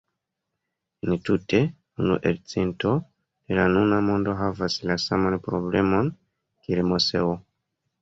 Entute, unu elcento de la nuna mondo havas la saman problemon kiel Moseo.